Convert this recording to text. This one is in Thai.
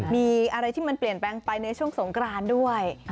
มีอะไรที่มันเปลี่ยนแปลงไปในช่วงสงกรานด้วย